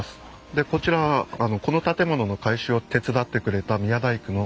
でこちらはこの建物の改修を手伝ってくれた宮大工の。